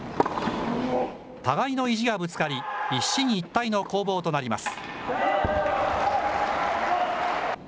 互いの意地がぶつかり、一進一退の攻防となります。